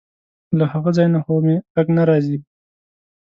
له هغه ځای نه خو مې غږ نه راځي.